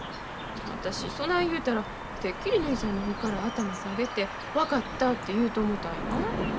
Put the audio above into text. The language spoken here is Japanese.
私そない言うたらてっきりぬひさんの方から頭下げて分かったって言うと思たんや。